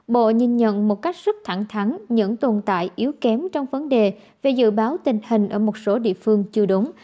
bộ nhìn nhận một cách rất thẳng thắng những tồn tại yếu kém trong vấn đề về dự báo tình hình ở một số địa phương chưa đúng